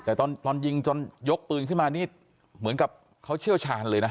แต่ตอนยิงจนยกปืนขึ้นมานี่เหมือนกับเขาเชี่ยวชาญเลยนะ